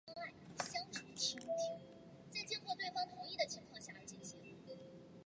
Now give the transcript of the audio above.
芒特奥利夫是位于美国阿肯色州伊泽德县的一个非建制地区。